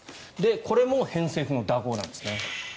これも偏西風の蛇行なんですね。